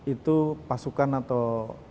itu pasukan atau